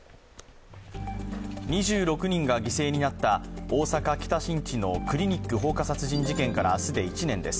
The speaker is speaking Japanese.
２６人が犠牲になった大阪・北新地のクリニック放火殺人事件から明日で１年です。